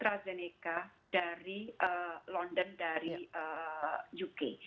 dan kita juga melakukan komunikasi dengan banyak pihak